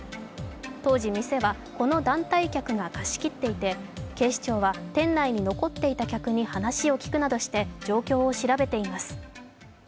当時、店はこの団体客が貸し切っていて警視庁は店内に残っていた客に話を聞くなどして状況を調べています。